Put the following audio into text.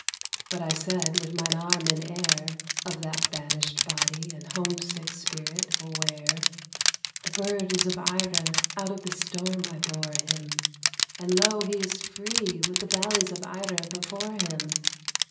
but I said, with mine arm in air, (Of that banished body and homesick spirit aware,) "The bird is of Eiré; out of the storm I bore him; And lo, he is free, with the valleys of Eiré before him."